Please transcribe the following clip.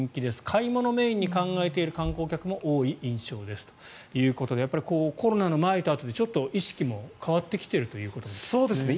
買い物メインに考えている観光客も多い印象ですということでやっぱりコロナの前とあとで意識も変わってきているということですかね。